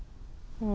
うん。